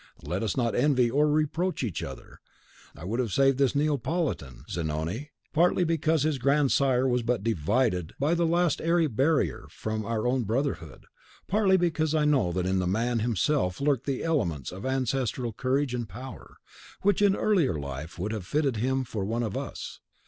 Let us not envy or reproach each other. I would have saved this Neapolitan, Zanoni (since so it now pleases thee to be called), partly because his grandsire was but divided by the last airy barrier from our own brotherhood, partly because I know that in the man himself lurk the elements of ancestral courage and power, which in earlier life would have fitted him for one of us.